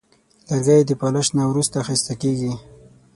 لرګی د پالش نه وروسته ښایسته کېږي.